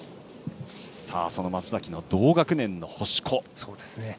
その松崎の同学年の星子。